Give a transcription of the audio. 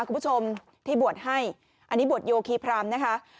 คุณผู้ชมที่บวชให้อันนี้บวชโยคีพรามนะคะ